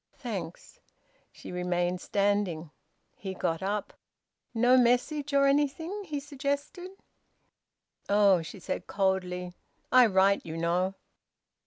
"Thanks." She remained standing; he got up. "No message or anything?" he suggested. "Oh!" she said coldly, "I write, you know."